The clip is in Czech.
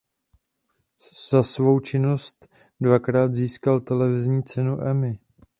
Za svou činnost dvakrát získal televizní cenu Emmy.